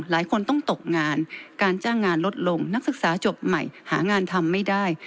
หลายคนต้องตกงานการจ้างงานลดลงนักศึกษาจบใหม่หางานทำไม่ได้